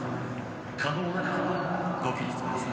可能な方は、ご起立ください。